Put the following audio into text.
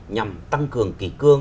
nhằm tăng cường kỳ cương